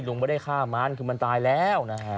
ลุงไม่ได้ฆ่ามันคือมันตายแล้วนะฮะ